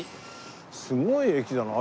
すごい駅だな。